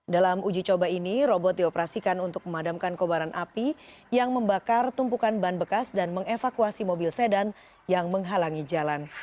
dalam uji coba ini robot dioperasikan untuk memadamkan kobaran api yang membakar tumpukan ban bekas dan mengevakuasi mobil sedan yang menghalangi jalan